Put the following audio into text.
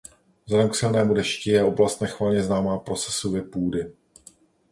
Vzhledem k silnému dešti je oblast nechvalně známá pro sesuvy půdy.